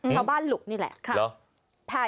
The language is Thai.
ข้าวบ้านหลุกนี่แหละค่ะ